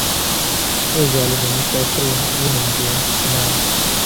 ای ظالمې مسافر يم وينم دې نه.